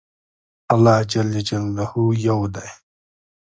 الله یو دی.